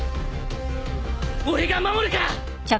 俺が守るから！